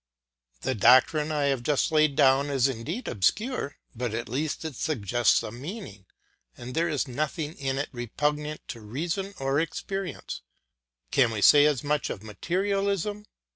The doctrine I have just laid down is indeed obscure; but at least it suggests a meaning and there is nothing in it repugnant to reason or experience; can we say as much of materialism?